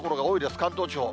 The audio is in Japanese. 関東地方。